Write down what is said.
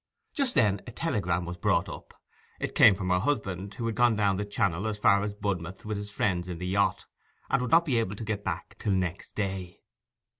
Just then a telegram was brought up. It came from her husband, who had gone down the Channel as far as Budmouth with his friends in the yacht, and would not be able to get back till next day.